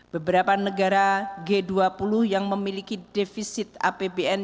beberapa negara g dua puluh yang memiliki defisit apbn